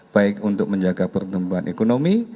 baik untuk menjaga pertumbuhan ekonomi